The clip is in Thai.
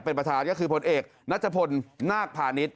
เป็นประธานก็คือพลเอกนัชพลนาคพาณิชย